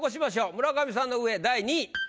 村上さんの上第２位。